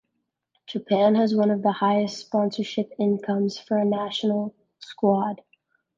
Japan has one of the highest sponsorship incomes for a national squad.